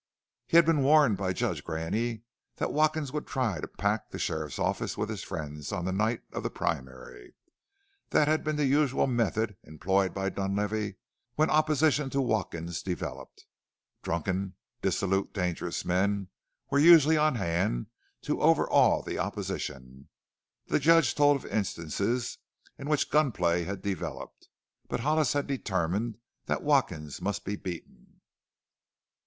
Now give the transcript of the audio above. He had been warned by Judge Graney that Watkins would try to "pack" the sheriff's office with his friends on the night of the primary. This had been the usual method employed by Dunlavey when opposition to Watkins developed. Drunken, dissolute, dangerous men were usually on hand to overawe the opposition; the Judge told of instances in which gunplay had developed. But Hollis had determined that Watkins must be beaten.